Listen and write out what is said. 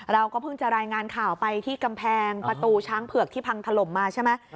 เราก็เพิ่งจะรายงานข่าวไปที่กำแพงประตูช้างเผือกที่พังถล่มมาใช่ไหม